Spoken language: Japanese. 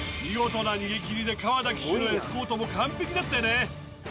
見事な逃げ切りで川田騎手のエスコートも完璧だったよね。